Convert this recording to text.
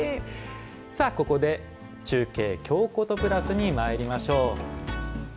ここで中継「京コトプラス」にまいりましょう。